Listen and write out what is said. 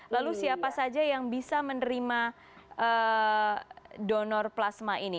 lalu siapa saja yang bisa menerima donor plasma ini